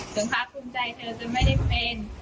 ถึงพาคุณใจเธอจะไม่ได้เป็น